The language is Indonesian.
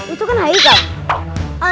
itu kan haikal